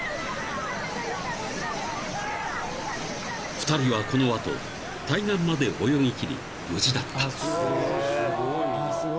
［２人はこの後対岸まで泳ぎ切り無事だった］